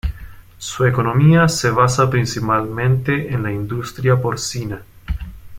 Su economía se basa principalmente en la industria porcina.